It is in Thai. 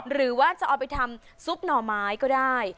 หรือว่าจะเอาไปทำซุปหน่อไม้ก็ได้